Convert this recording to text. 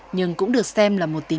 nhưng cũng được xem là một lần đầu tiên